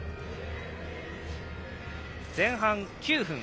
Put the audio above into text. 前半９分。